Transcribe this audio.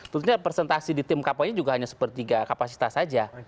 tentunya representasi di tim kampanye juga hanya sepertiga kapasitas saja